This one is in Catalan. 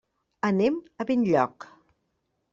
Anem a Benlloc.